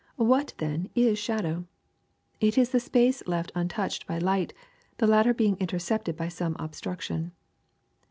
What, then, is shadow? It is the space left untouched by light, the latter being intercepted by some obstruction.